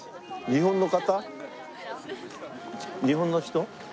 日本の人？